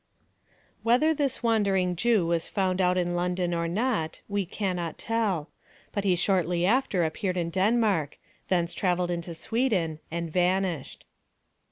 Whether this wandering Jew was found out in London or not, we cannot tell, but he shortly after appeared in Denmark, thence travelled into Sweden, and vanished.